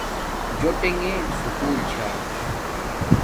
جوٹݣے سکوُل چھا